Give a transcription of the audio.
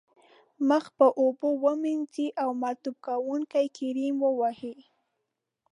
مخ په اوبو ومینځئ او مرطوب کوونکی کریم و وهئ.